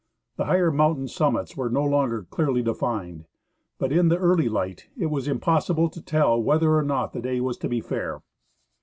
The higher mountain summits were no longer clearly defined, but in the early light it was impossible to tell whether or not the day was to be fair.